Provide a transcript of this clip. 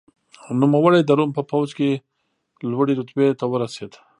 نوموړی د روم په پوځ کې لوړې رتبې ته ورسېد.